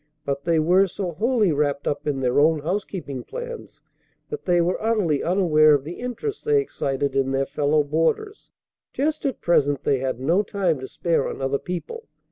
But they were so wholly wrapped up in their own housekeeping plans that they were utterly unaware of the interest they excited in their fellow boarders. Just at present they had no time to spare on other people.